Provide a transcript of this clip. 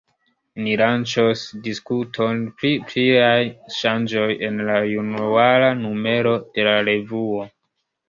Ni lanĉos diskuton pri pliaj ŝanĝoj en la januara numero de la revuo.